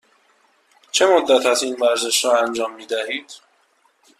چه مدت است این ورزش را انجام می دهید؟